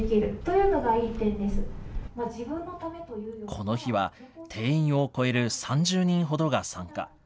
この日は、定員を超える３０人ほどが参加。